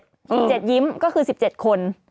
อืมสิบเจ็ดยิ้มก็คือสิบเจ็ดคน